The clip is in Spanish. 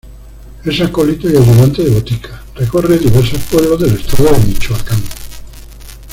Es acólito y ayudante de botica, recorre diversos pueblos del estado de Michoacán.